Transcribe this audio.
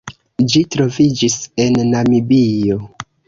Ĝi troviĝis en Namibio.